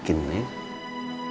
kita ini punya niat yang baik